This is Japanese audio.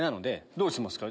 どうしますか？